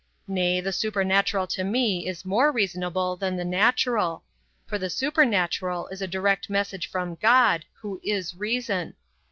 Nay, the supernatural to me is more reasonable than the natural; for the supernatural is a direct message from God, who is reason.